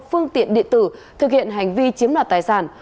phương tiện điện tử thực hiện hành vi chiếm đoạt tài sản